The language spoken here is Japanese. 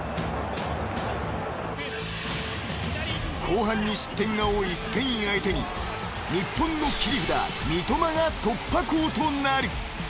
［後半に失点が多いスペイン相手に日本の切り札三苫が突破口となる］